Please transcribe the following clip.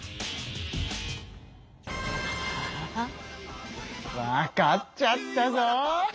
あわかっちゃったぞ！